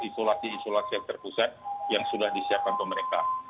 tetap diatur tetap ke isolasi isolasi yang terpusat yang sudah disiapkan oleh mereka